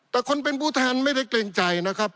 แต่คนเป็นผู้แทนไม่ได้เกรงใจนะครับ